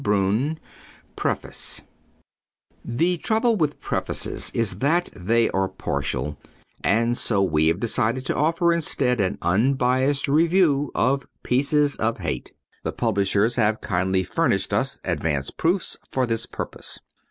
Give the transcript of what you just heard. BROUN PREFACE The trouble with prefaces is that they are partial and so we have decided to offer instead an unbiased review of "Pieces of Hate." The publishers have kindly furnished us advance proofs for this purpose.